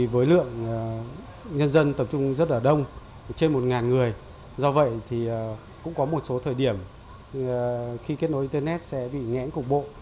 với lượng nhân dân tập trung rất là đông trên một người do vậy cũng có một số thời điểm khi kết nối internet sẽ bị ngẽn cục bộ